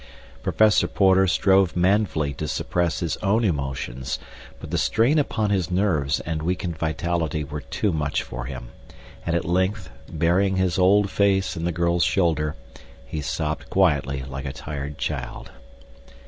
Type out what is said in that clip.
Professor Porter strove manfully to suppress his own emotions, but the strain upon his nerves and weakened vitality were too much for him, and at length, burying his old face in the girl's shoulder, he sobbed quietly like a tired child.